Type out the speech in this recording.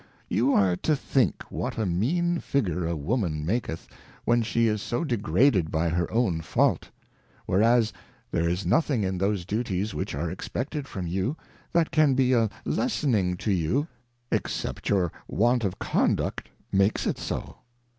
You are to think what a mean Figure a Woman maketh^ when she is so degraded by her own Fault ; whereas there is nothing in those Duties which are expected from you, that can be a lessening to you, except your want of Conduct makes it so.